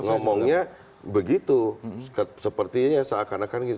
ngomongnya begitu sepertinya seakan akan gitu